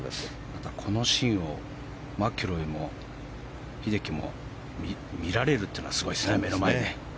また、このシーンをマキロイも英樹も見られるというのはすごいですね、目の前で。